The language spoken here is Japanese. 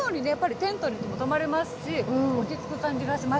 テントに泊まることもできますし、落ち着く感じがします。